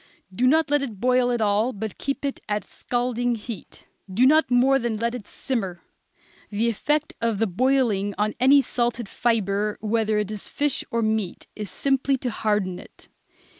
Do not let it boil at all, but keep it at a scalding heat. Do not more than let it simmer. The effect of the boiling on any salted fibre, whether it is fish or meat, is simply to harden it.